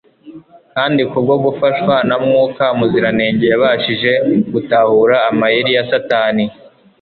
kandi kubwo gufashwa na Mwuka Muziranenge yabashije gutahura amayeri ya Satani